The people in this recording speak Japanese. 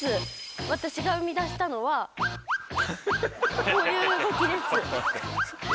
私が生み出したのはこういう動きです。